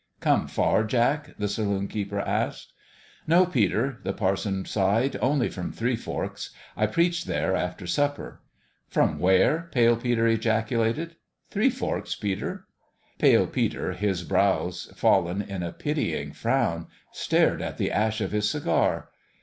"Come far, Jack?" the saloon keeper asked. " No, Peter," the parson sighed ;" only from Three Forks. I preached there after supper." "From where?'' Pale Peter ejaculated. "Three Forks, Peter." Pale Peter, his brows fallen in a pitying frown, stared at the ash of his cigar.